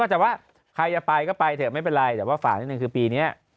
แต่ว่าใครจะไปก็ไปเถอะไม่เป็นไร